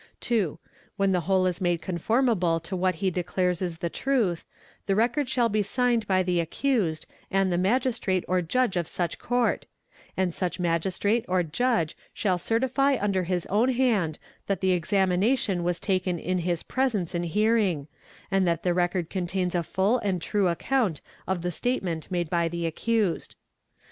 | es ""(2) When the whole is made conformable to what he declares is the truth, the record shall be signed by the accused and the Magistrate f or Judge of such Court, and such Magistrate or Judge shall certify "under his own hand that the examination was taken in his presence and "hearing, and that the record contains a full and true account of the * statement made by the accused.